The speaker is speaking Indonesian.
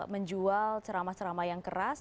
menjual ceramah ceramah yang keras